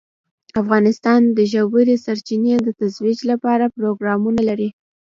افغانستان د ژورې سرچینې د ترویج لپاره پروګرامونه لري.